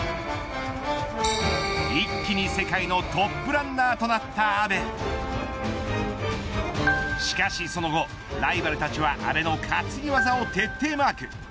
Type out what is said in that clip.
一気に世界のトップランナーとなった阿部しかしその後、ライバルたちは阿部の担ぎ技を徹底マーク。